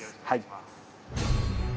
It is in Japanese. はい。